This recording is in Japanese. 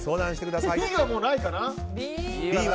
Ｂはもうないかな。